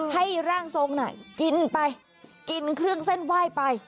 ให้ร่างทรงกินไปกินเครื่องเส้นไหว้ไป